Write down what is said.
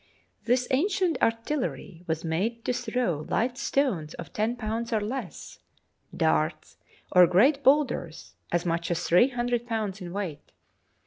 This ancient artillery was made to throw light THE SECOND PERIOD stones of ten pounds or less, darts, or great boulders as much as three hundred pounds in weight.